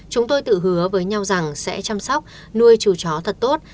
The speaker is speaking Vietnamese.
chúng tôi tự hứa với nhau rằng sẽ chăm sóc nuôi trù chó thật tốt